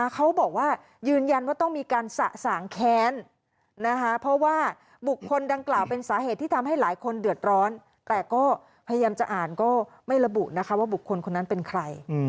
เขาบอกว่ายืนยันว่าต้องมีการสะสางแค้นเพราะว่าบุคคลดังกล่าวเป็นสาเหตุที่ทำให้หลายคนเดือดร้อนแต่ก็พยายามจะอ่านก็ไม่ระบุนะคะว่าบุคคลคนนั้นเป็นใคร